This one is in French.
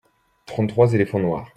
trente trois éléphants noirs.